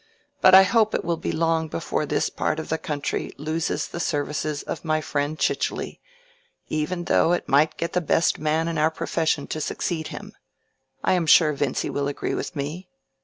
"But I hope it will be long before this part of the country loses the services of my friend Chichely, even though it might get the best man in our profession to succeed him. I am sure Vincy will agree with me."